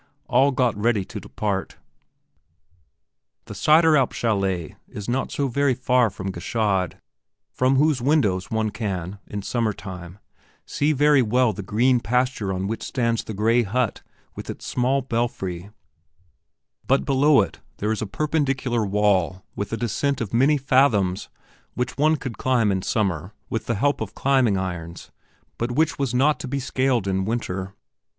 All got ready to depart. The Sideralp chalet is not so very far from Gschaid, from whose windows one can, in summer time, very well see the green pasture on which stands the gray hut with its small belfry; but below it there is a perpendicular wall with a descent of many fathoms which one could climb in summer, with the help of climbing irons, but which was not to be scaled in winter.